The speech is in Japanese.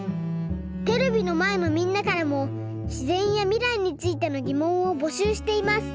テレビのまえのみんなからもしぜんやみらいについてのぎもんをぼしゅうしています。